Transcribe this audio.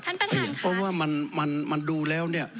ท่านประธานเพราะว่ามันมันดูแล้วเนี่ย